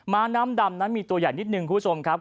มะน้ำดำมีตัวใหญ่นิดนึงครับคุณผู้ชม